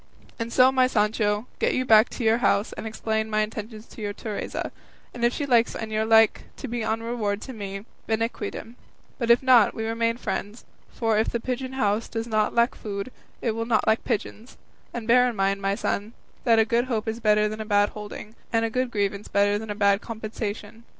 And so, my Sancho, get you back to your house and explain my intentions to your Teresa, and if she likes and you like to be on reward with me, bene quidem; if not, we remain friends; for if the pigeon house does not lack food, it will not lack pigeons; and bear in mind, my son, that a good hope is better than a bad holding, and a good grievance better than a bad compensation.